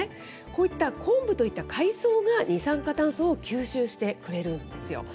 こういったコンブといった海藻が、二酸化炭素を吸収してくれるんですよ。